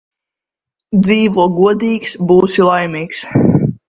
Dzīvo godīgs – būsi laimīgs